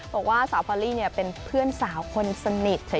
บอกว่าสาวพอลลี่เป็นเพื่อนสาวคนสนิทเฉย